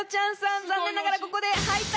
残念ながらここで。